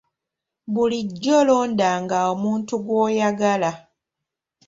Bulijjo londanga omuntu gw'oyagala.